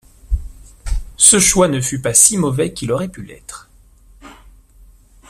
Ce choix ne fut pas si mauvais qu’il aurait pu l’être.